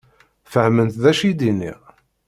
Fehment d acu i d-nniɣ?